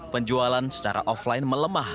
penjualan secara offline melemah